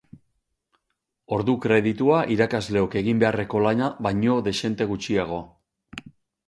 Ordu kreditua irakasleok egin beharreko lana baino dexente gutxiago.